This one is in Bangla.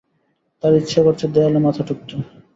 তাঁর ইচ্ছা করছে দেয়ালে মাথা ঠুকতে।